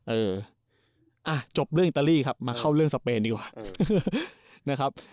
เออจบเรื่องอิตาลีครับมาเข้าเรื่องสเปนดีกว่า